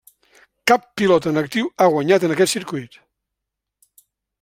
Cap pilot en actiu ha guanyat en aquest circuit.